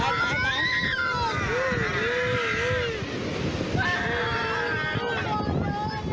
โอ๊ยไป